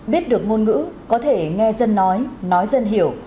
biết được ngôn ngữ có thể nghe dân nói nói dân hiểu